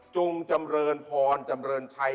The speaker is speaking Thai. จุงจำเรินพรจำเรินชัย